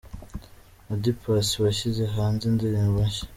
Oda Paccy washyize hanze indirimbo nshya.